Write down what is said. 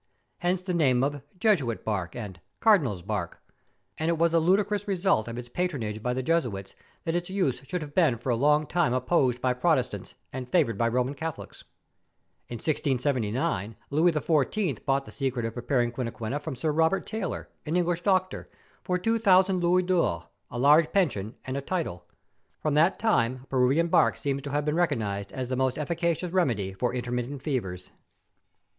Hence the name of ^ Jesuit's bark,' and ' Cardinal's bark ;' and it was a ludicrous result of its patronage by the Jesuits that its use should have been for a lono^ time opposed by Protestants and favoured by Koman Catholics. In 1679 Louis XIV. bought the secret of preparing quinquina from Sir Robert Taylor, an English doctor, for two thousand louis d'ors, a large pension, and a title. From that time Peruvian bark seems to have been recognised as the most efficacious remedy for intermittent fevers.